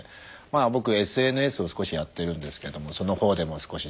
僕ＳＮＳを少しやってるんですけどもその方でも少し。